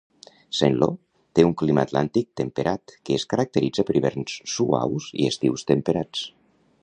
Saint-Lô té un clima atlàntic temperat que es caracteritza per hiverns suaus i estius temperats.